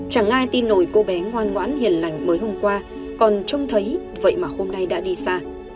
chẳng ai tin nồi cô bé ngoan ngoãn hiền lành mới hôm qua còn trông thấy vậy mà hôm nay đã đi xa